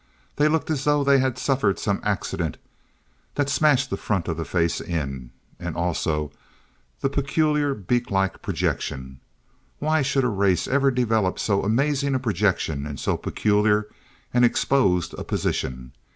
They looked as though they had suffered some accident that smashed the front of the face in. And also the peculiar beak like projection. Why should a race ever develop so amazing a projection in so peculiar and exposed a position?